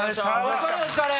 お疲れお疲れ！